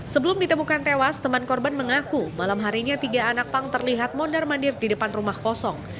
sebelum ditemukan tewas teman korban mengaku malam harinya tiga anak pang terlihat mondar mandir di depan rumah kosong